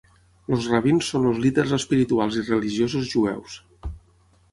Els rabins són els líders espirituals i religiosos jueus.